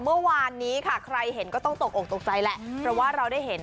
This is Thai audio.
เมื่อวานนี้ค่ะใครเห็นก็ต้องตกอกตกใจแหละเพราะว่าเราได้เห็น